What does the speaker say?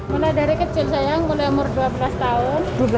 mulai dari kecil saya yang mulai umur dua belas tahun